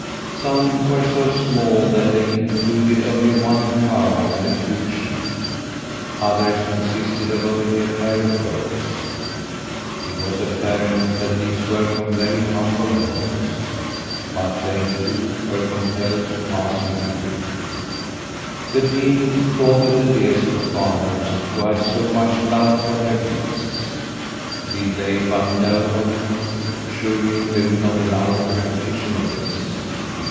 Some were so small that they included only one cow and a few sheep; others consisted of only a pair of goats. It was apparent that these were from very humble homes, but they too were compelled to pass in review. "The dean thought of the Delsbo farmers, who had so much love for their beasts. 'Did they but know of it, surely they would not allow a repetition of this!'